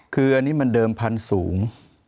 คืออันนี้มันเดิมพันธุ์สูง